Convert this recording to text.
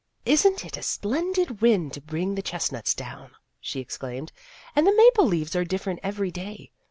" Is n't this a splendid wind to bring the chestnuts down !" she exclaimed, " and the maple leaves are different every day.